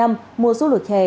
mùa xu lượt hè